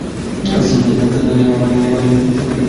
কিন্তু মাঠে নিজের নতুন সঙ্গীর এমন ঝলমলে অভিষেকে খুশিই হবেন তিনি।